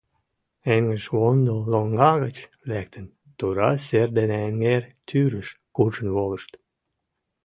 Эҥыжвондо лоҥга гыч лектын, тура сер дене эҥер тӱрыш куржын волышт.